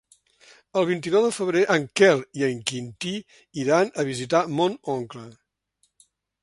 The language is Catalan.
El vint-i-nou de febrer en Quel i en Quintí iran a visitar mon oncle.